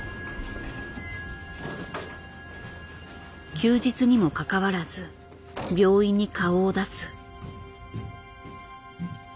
休日にもかかわらず病院に顔を出す。